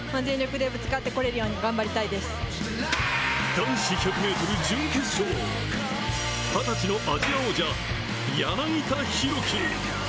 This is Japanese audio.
男子１００ｍ準決勝、二十歳のアジア王者、柳田大輝。